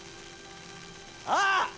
ああ！